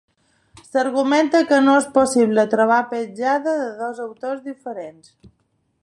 S'argumenta que no és possible trobar petjada de dos autors diferents.